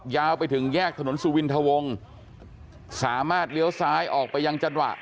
ยาวไปถึงแยกถนนสุวินทะวงสามารถเลี้ยวซ้ายออกไปยังจังหวะ